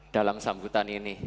dalam sambutan ini